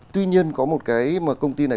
tuy nhiên có một cái mà công ty này